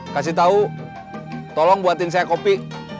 kasih tahu tolong buatin saya kopi